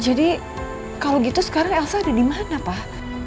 jadi kalau gitu sekarang elsa ada di mana pak